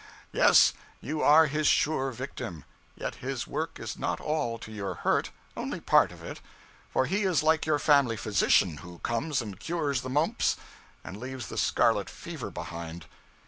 Yes, you are his sure victim: yet his work is not all to your hurt only part of it; for he is like your family physician, who comes and cures the mumps, and leaves the scarlet fever behind.